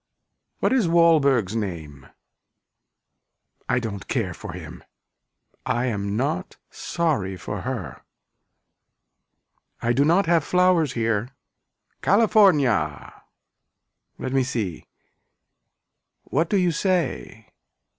What is Walberg's name. I don't care for him. I am not sorry for her. I do not have flowers here. CALIFORNIA Let me see. What do you say.